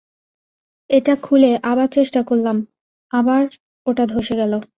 ওটা খুলে, আবার চেষ্টা করলাম, আবার ওটা ধসে গেল।